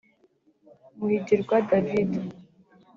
Muhigirwa David